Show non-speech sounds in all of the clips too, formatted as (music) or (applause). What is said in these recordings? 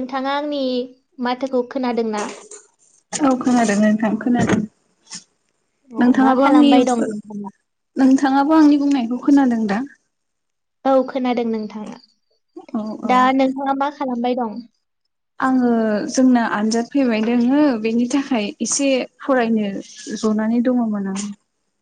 नोंथाङा आंनि माथोखौ खोनादोंना औ खोनादों नोंथां खोनादों अ मा नोंथाङाबो आंनि खालामबाय दं नोंथाङा? नोंथाङाबो आंनि बुंनायखौ खोनादों द (unintelligible) औ खोनादों नोंथाङा औ औ दा नोंहा मा खालामबाय दं आङो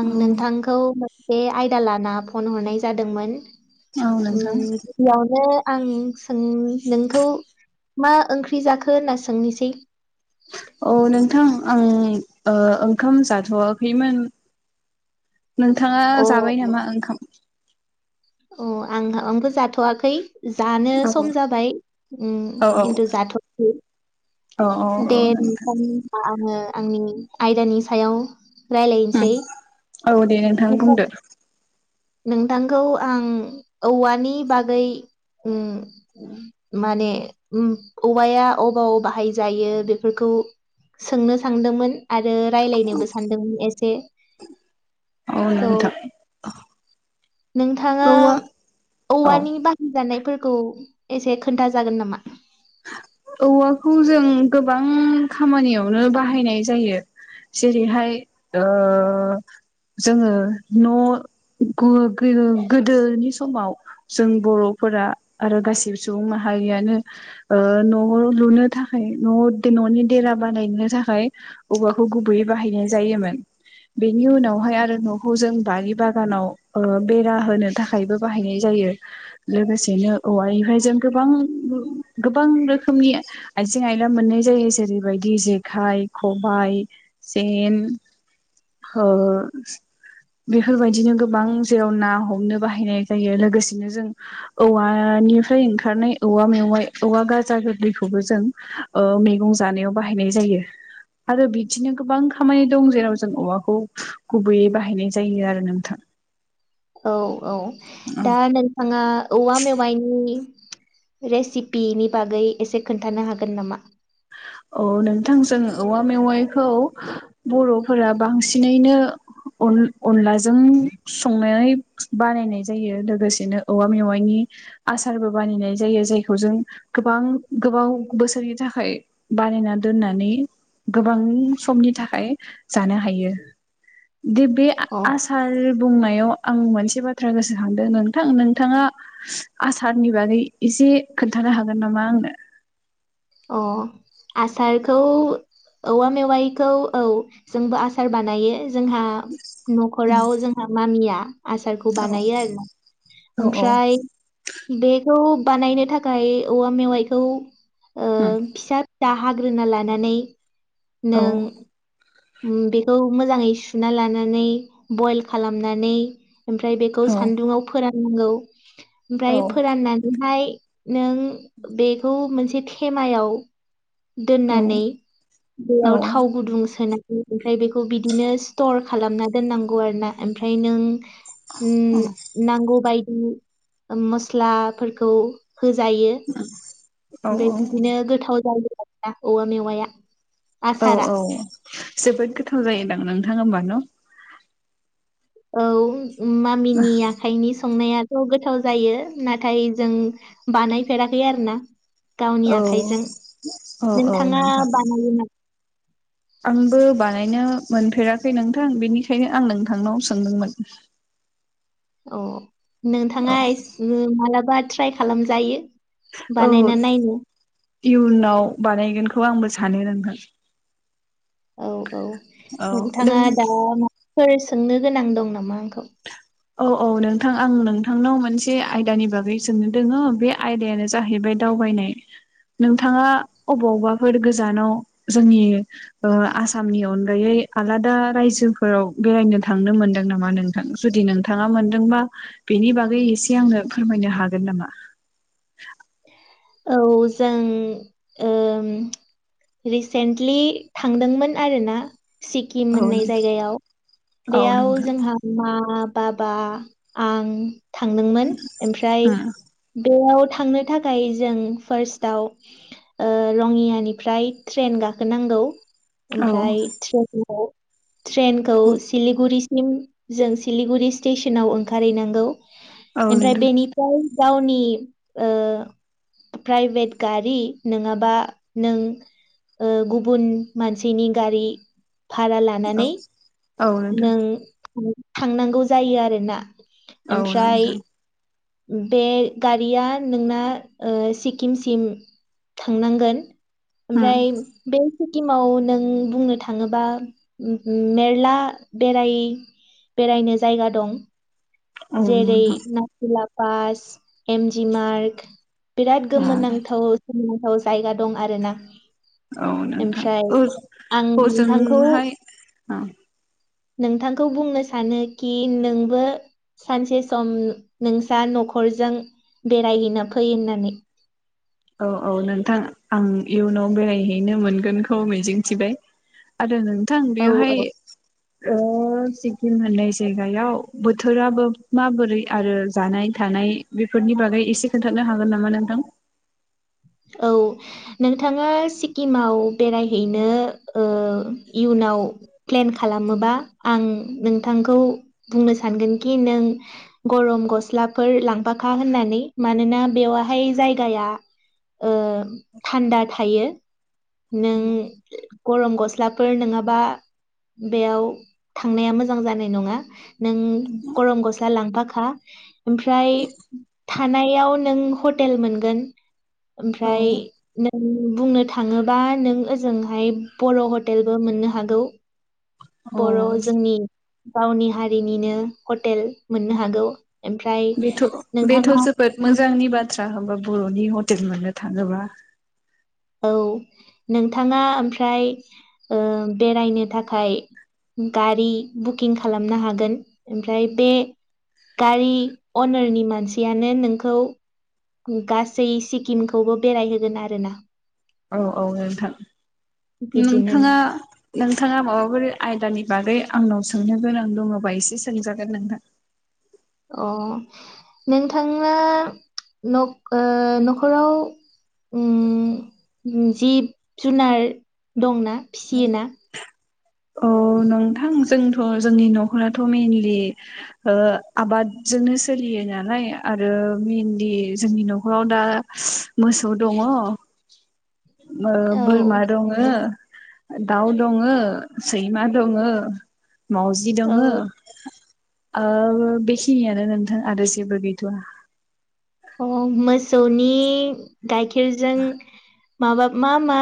आं नोंथां औ उ औ गिबियाबनो नोंथां (unintelligible) आं सों नोंखौ मा ओंख्रि जाखो होनना सोंनिसै औ नोंथां आं ओंखाम जाथ'वाखैमोन नोंथाङा अ जाबाय नामा ओंखाम अ आंहा आंबो जाथ'वाखै जानो औ सम जाबाय उम औ औ खिन्थु जाथ'खै औ औ औ दे नोंथां होमबा आङो आंनि आयदानि सायाव रायलायनोसै औ दे नोंथां बुंदो नोंथांखौ आं औवानि बागै उ माने औवाया अबाव बाहायजायो बेफोरखौ सोंनो सानदोंमोन आरो रायलायनोबो सानदोंमोन एसे औ स' नोंथां नोंथाङा औ औ औवानि बाहायजानाय एसे खोन्था जागोन नामा औवाखौ जों गोबां खामानियावनो बाहायनाय जायो जेरैहाय ओ-जोङो न' गो गो गोदोनि समाव जों बर'फोरा आरो गासिबो सुबुं माहारियानो ओ न' न' लुनो थाखाय न' न'नि देरा बानायनो थाखाय औवाखौ गुबैयै बाहायनाय जायोमोन बेनि उनावहाय आरो न'खौ जों बारि बागानाव ओ बेरा होनो थाखायबो बाहायनाय जायो लोगोसेनो औवानिफ्राय जों गोबां गोबां रोखोम खमिया (unintelligible) आजें आयला मोननाय जायो जेरै बेबायदि जेखाइ खबाइ जेन अ (unintelligible) बेफोरबायदिनो गोबां जेराव ना हमनो बाहायनाय जायो लोगोसेनो जों औवानिफ्राय ओंखारनाय औवा मेवाइ औवा गाजा गोरलैखौबो जों मैगं जानायाव बाहायनाय जायो आरो बिदिनो गोबां खामानि दं जेराव जों औवा खौ गुबैयै बाहायनाय जायो आरो नोंथां औ औ औ दा नोंथाङा औवा मेवायनि नि रेसिपिनि बागै एसे खोन्थानो हागोन नामा औ नोंथां जों औवा मेवाइखौ बर'फोरा बांसिनैनो अनलाजों संनानै बानायनाय जायो लोगोसेनो औवा मेवाइनि आसारबो बानायनाय जायो जायखौ जों गोबां गोबाव बोसोरनि थाखाय बानायना दोननानै गोबां समनि थाखाय जानो हायो। दे बे अ आसार बुंनायाव आं मोनसे बाथ्रा गोसोखांदों नोंथां, नोंथाङा आसारनि बागै एसे खोन्थानो हागोन नामा आंनो। अ आसारखौ औवा मेवाइखौ औ, जोंबो आसार बानायो। जोंहा न'खराव जोंहा मामिया आसारखौ औ बानायो आरो ना। औ ओमफ्राय बेखौ बानायनो थाखाय औवा मेवाइखौ ओ फिसा (unintelligible) हाग्रोना लानानै औ नों बेखौ मोजाङै सुना लानानै बइल खालामनानै ओमफ्राय बेखौ औ सान्दुुङाव फोरान नांगौ। ओमफ्राय फोराननानैहाय (unintelligible) नों बेखौ मोनसे थेमायाव औ दोननानै औ बेयाव थाव गुदुं सोनानै ओमफ्राय बेखौ बिदिनो स्टर खालामना दोननांगौ आरो ना ओमफ्राय नों औ उम नांगौ (unintelligible) मस्लाफोरखौ होजायो औ ओमफ्राय बिदिनो गोथाव जायो। औ मेवाइया औ औ जोबोद गोथाव जायोदां नोंथां होमबा न'। औ मामिनि आखाइनि संनायाथ' गोथाव जायो। नाथाय जों बानायफेराखै आरोना। गावनि औ आखाइजों। औ औ नोंथाङा नोंथां बानायो नामा? आंबो बानायनो मोनफेराखै नोंथां बेनिखायनो आं नोंथांनाव सोंदोंमोन। औ। औ नोंथाङा (unintelligible) बा ट्राइ खालामजायो। औ बानायना नायनो इयुनाव बानायगोनखौ आंबो सानो नोंथां। (unintelligible) औ। औ औ नों नोंथाङा दा सोंनो गोनां दं नामा आंखौ? औ औ नोंथां आं नोंथांनाव मोनसे आयदानि बागै सोंनो दङो बे आयदायानो जाहैबाय दावबायनाय नोंथाङा अबावबाफोर गोजानाव जोंनि ओ आसामनि अनगायै आलादा रायजोफोराव बेरायनो थांनो मोनदों नामा नोंथां? जुदि नोंथां थाङा मोनदोंबा बेनि बागै एसे आंनो फोरमायनो हागोन नामा? औ जों ओम रिसेन्टलि थांदोंमोन आरोना। सिक्किम औ होननाय नों जायगायाव औ बेयाव नोंथां जोंहा मा बाबा आं थांदोंमोन ओमफ्राय उम बेयाव थांनो थाखाय जों फार्स्टआव ओ रङियानिफ्राय ट्रेन गाखोनांगौ औ ओमफ्राय औ। ट्रेनखौ नोंथां सिलिगुरि सिम जों सिलिगुरि स्टेसनाव ओंखारहैनांगौ। औ ओमफ्राय बेनिफ्राय गावनि ओ प्राइभेट गारि नङाबा नों ओ गुबुन मानसिनि गारि भारा लानानै औ नोंथां। नों थांनांगौ जायो आरोना औ ओमफ्राय नोंथां। बे गारिया नोंना ओ सिक्किमसिम थांनांगोन? ओमफ्राय बे सिक्किमाव नों बुंनो थाङोबा उम उम मेरला बेराय बेरायनो जायगा दं। औ जेरै नोंथां नाथुलाब पास, एमजि मार्ग, बिराद उम गोमोन नांथाव गोमोथाव जायगा दं आरो ना। औ नोंथां औ आं नोंथांखौ औजोंहाय ओं। नोंथांखौ बुंनो सानोखि नोंबो सानसे सम नोंसा न'खरजों बेरायहैना फै होननानै। औ औ नोंथां आं इयुनाव बेरायहैनो मोनगोनखौ मिजिंथिबाय आरो नों थां औ औ बेवहाय ओ सिक्किम होननायस जायगायाव बोथोराबो माबोरै आरो जानाय थानाय बेफोरनि बागै एसे खोन्थानो हागोन नामा नोंथां? औ नोंथाङा सिक्किमाव बेरायहैनो ओ इयुनाव प्लेन खालामोबा आं नोंथांखौ बुंनो सानगोनखि नों गरम गस्लाफोर लांफाखा होननानै मानोना बेवहाय जायगाया ओ थान्दा थायो नों गरम गस्लाफोर नङाबा बेयाव थांनाया मोजां जानाय नङा नों गरम गस्ला लांफाखा ओमफ्राय थानायाव नों हटेल मोनगोन ओमफ्राय बुंनो थाङोबा नों ओजोंहाय बर' हटेलबो मोननो हागौ औ बर' जोंनि गावनि हारिनिनो हटेल मोननो हागौ ओमफ्राय बेथ बेथ' नोंथाङा जोबोद मोजां मोजांनि बाथ्रा होमबा बर'नि हटेल मोननो थाङोबा औ नोंथाङा ओमफ्राय बेरायनो थाखाय गारि बुकिं खालामनो हागोन ओमफ्राय बे गारि अनारनि मानसियानो नोंखौ गासै सिक्किमखौबो बेरायहोगोन आरोना औ - औ नोंथां बिदिनो नोंथाङा नोंथाङा माबाफोर आयदानि बागै आंनाव सोंनो गोनां दङबा एसे सोंजागोन नोंथां अ नोंथाङा न'खराव जिब जुनार दंना फिसियो ना औ नोंथां जोंथ' जोंनि न'खराथ' मेनलि आबादजोंनो सोलियो नालाय आरो मेनलि जोंनि न'खराव दा मोसौ दङ औ बोरमा दङ दाउ दङो सैमा दंङो मावजि दङो औ ओ बेखिनियानो नोंथां आरो जेबो गैथ'वा अ मोस मोसौनि गाइखेरजों माबा मा - मा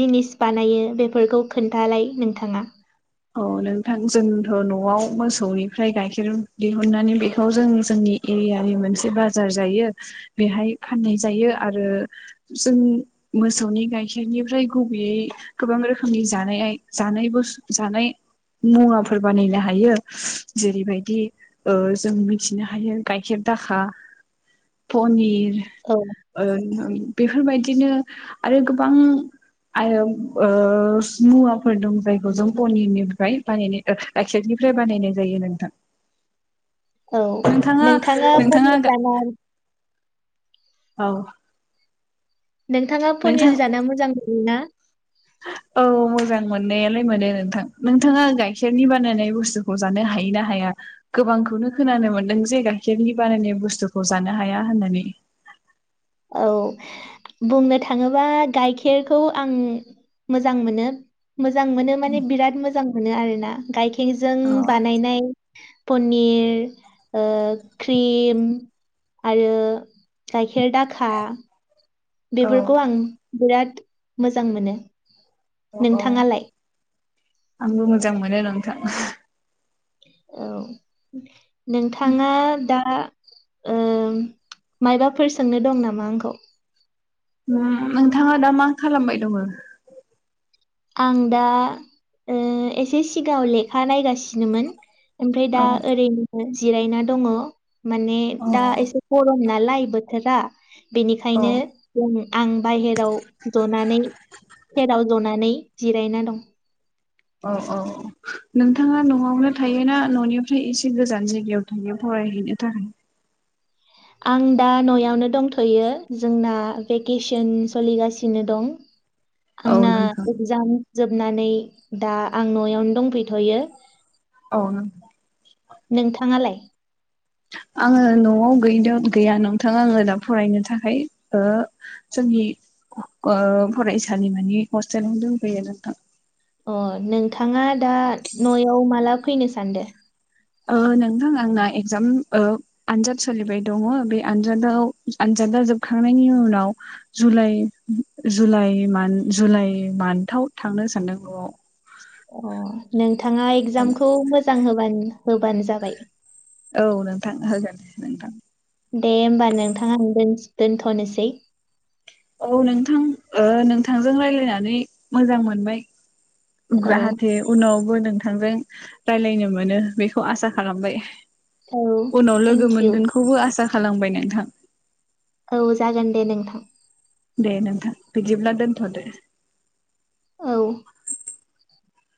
जिनिस बानायो बेफोरखौ खोन्थालाय नोंथाङा औ नोंथां जोंथ' न'आव मोसौनिफ्राय गाइखेर दिहुननानै बेखौ जों जोंनि एरियानि मोनसे बाजार जायो बेहाय फाननाय जायो आरो जों मोसौनि गाइखेरनिफ्राय गुबैयै गोबां रोखोमनि जानाय जानाय बुस जानाय मुवाफोर बानायनो हायो जेरैबायदि जों मिथिनो हायो गाइखेर दाखा पनिर औ ओं -ओं बेफोरबायदिनो आरो गोबां मुवाफोर दं जायखौ जों पनिरनिफ्राय बानायनाय गाइखेरनिफ्राय बानायनाय जायो नोंथां औ नोंथाङा (unintelligible) औ नोंथाङा नोंथां पनिर जाना मोजां ना औ मोजां मोननायालाय मोनो नोंथां नोंथाङा गाइखेरनि बानायनाय बुस्थुखौ जानो हायो ना हाया गोबांखौनो खोनानो मोनदों जे गाइखेरनि बानायनाय बुस्थुखौ जानो हाया होननानै औ बुंनो थाङोबा गाइखेरखौ आं मोजां मोनो मोजां मोनो माने बिराद मोजां मोनो आरोना गाइखेर अ गाइखेरजों बानायनाय पनिर क्रिम आरो गायखेर दा खा औ बेफोरखौ आं बिराद मोजां मोनो औ औ नोंथाङालाय आंबो मोजां मोनो नोंथां औ नोंथाङा दा ओ मायबाफोर सोंनो दं नामा आंखौ? उ नोंथाङा दा मा खालामबाय दङ आं दा ओ एसे सिगाङाव लेखा नायगासि सिनोमोन ओमफ्राय दा औ ओरैनो जिरायना दङ माने औ दा एसे गरम ना लाइ बोथोरा औ बेनिखायनो जों आं बाहेराव जनानै सेराव जनानै जिरायना दं औ औ औ नोंथाङा न'आवनो थायोना न'निफ्राय एसे गोजान जायगायाव थायो फरायहैनो थाखाय आं दा न'आवनो दंथ'यो जोंना भेकेसन सोलिगासिनो दं औ आंना नोंथां एक्जाम जोबनानै दा आं न'यावनो दंफैथ'यो औ नोंथां नोंथाङालाय? आङो न'आव गै गैया नोंथां आङो दा फरायनो थाखाय ओ जोंनि ओ फरायसालिमानि हस्टेलाव दंफैयो नोंथां अ नोंथाङा दा नयाव माला फैनो सानदो? ओ नोंथां आंना एक्जाम ओ आनजाद सोलिबाय दङ बे आनजादाव आनजादा जोबखांनायनि उनाव जुलाइ जुलाइ मान्थ जुलाइ मान्थाव थांनो सानदों नयाव अ नोंथाङा एगजामखौ मोजां होबानो होबानो जाबाय औ नोंथां होगोन नोंथां दे होमबा नोंथां आं दोन दोनथ'नोसै औ नोंथां ओ नोंथांजों रायलायनानै मोजां मोनबाय औ ग्राहाथे उनाव बो नोंथांजों राय्लायनो मोनो बेखौ आसा खालामबाय औ उनाव लोगो थेंक इउ मोनगोनखौबो आसा खालामबाय नोंथां औ जागोन दे नोंथां दे नोंथां बिदिब्ला दोनथ' दो औ